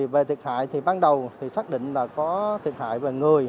về thiệt hại thì ban đầu thì xác định là có thiệt hại về người